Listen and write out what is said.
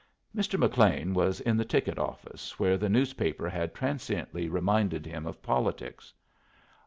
Mr. McLean was in the ticket office, where the newspaper had transiently reminded him of politics.